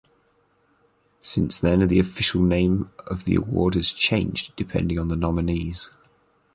Since then the official name of the award has changed depending on the nominees.